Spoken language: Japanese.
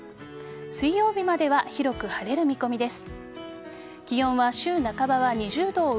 水曜日までは広く晴れる見込みです。